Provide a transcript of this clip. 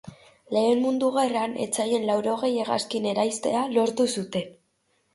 Lehen Mundu Gerran etsaien laurogei hegazkin eraistea lortu zuen.